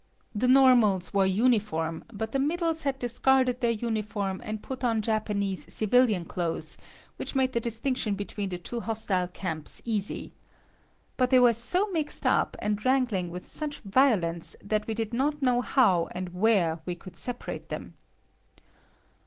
The normals wore uniform, but the middles had discarded their uniform and put on Japanese civilian clothes, which made the distinction between the two hostile camps easy. But they were so mixed up, and wrangling with such violence, that we did not know how and where we could separate them.